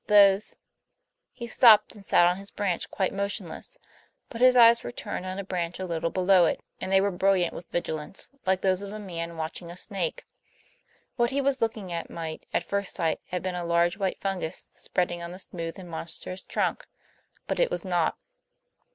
Those " He stopped and sat on his branch quite motionless, but his eyes were turned on a branch a little below it, and they were brilliant with a vigilance, like those of a man watching a snake. What he was looking at might, at first sight, have been a large white fungus spreading on the smooth and monstrous trunk; but it was not.